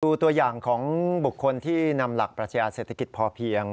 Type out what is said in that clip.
ตัวอย่างของบุคคลที่นำหลักปรัชญาเศรษฐกิจพอเพียง